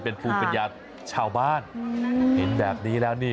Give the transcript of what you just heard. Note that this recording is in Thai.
เป็นภูมิปัญญาชาวบ้านเห็นแบบนี้แล้วนี่